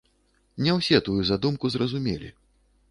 Не ўсе тую задумку зразумелі.